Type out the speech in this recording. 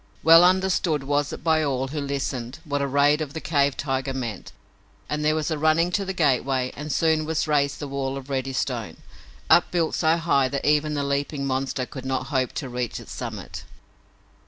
Well understood was it by all who listened what a raid of the cave tiger meant, and there was a running to the gateway and soon was raised the wall of ready stone, upbuilt so high that even the leaping monster could not hope to reach its summit.